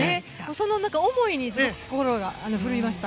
その思いに心が震えました。